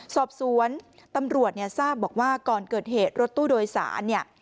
สอบสวนตำรวจเนี่ยทราบบอกว่าก่อนเกิดเหตุรถตู้โดยสารเนี่ย